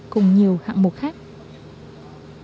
cùng nhiều hệ thống